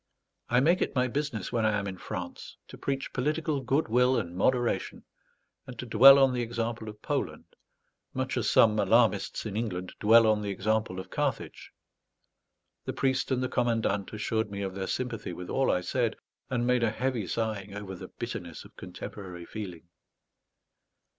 I make it my business, when I am in France, to preach political good will and moderation, and to dwell on the example of Poland, much as some alarmists in England dwell on the example of Carthage. The priest and the commandant assured me of their sympathy with all I said, and made a heavy sighing over the bitterness of contemporary feeling.